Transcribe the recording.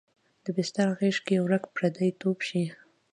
د بستر غیږ کې ورک پردی توب شي